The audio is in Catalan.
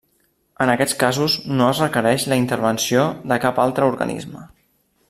En aquests casos no es requereix la intervenció de cap altre organisme.